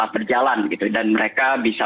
berjalan dan mereka bisa